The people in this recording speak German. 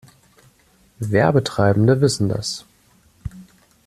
Werbetreibende wissen das.